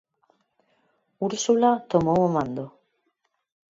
Úrsula tomou o mando.